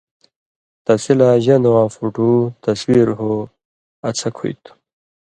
تسی لا ژن٘دہۡ واں فُوٹُو / تصویر ہو، اڅھک ہُوئ تھُو۔